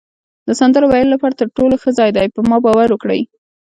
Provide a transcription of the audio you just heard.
د سندرو ویلو لپاره تر ټولو ښه ځای دی، په ما باور وکړئ.